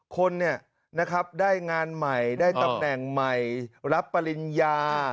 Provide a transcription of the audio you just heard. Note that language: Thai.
คนได้งานใหม่ได้ตำแหน่งใหม่รับปริญญา